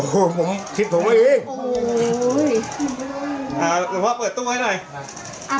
โอ้โฮผมคิดผมไว้อีกโอ้โฮอ่าเดี๋ยวพ่อเปิดตู้ให้หน่อยอ่า